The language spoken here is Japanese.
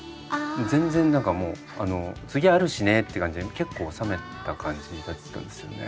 全然何かもう次あるしねって感じで結構冷めた感じだったんですよね。